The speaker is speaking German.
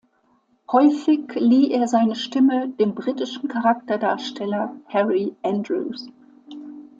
Häufig lieh er seine Stimme dem britischen Charakterdarsteller Harry Andrews.